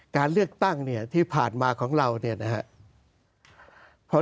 การเลือกตั้งเนี่ยที่ผ่านมาของเราเนี่ยนะครับ